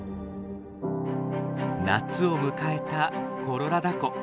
夏を迎えたコロラダ湖。